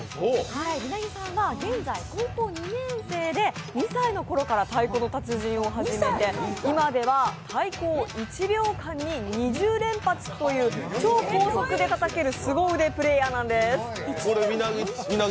みなぎさんは現在高校２年生で２歳のころから「太鼓の達人」を始めて、今では太鼓を１秒間に２０連発という超高速でたたけるスゴ腕プレーヤーなんです。